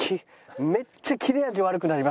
めっちゃ切れ味悪くなりますね